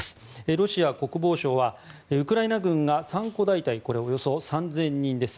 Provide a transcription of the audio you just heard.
ロシア国防省はウクライナ軍が３個大隊これ、およそ３０００人です。